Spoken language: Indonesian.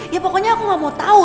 ya pokoknya aku gak mau tahu